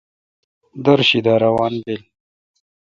دِر شی دا روان بیل۔